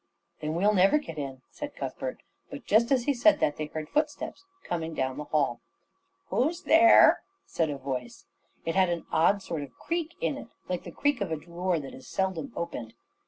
"Then we'll never get in," said Cuthbert, but just as he said that they heard footsteps coming down the hall. "Who's there?" said a voice. It had an odd sort of creak in it, like the creak of a drawer that is seldom opened.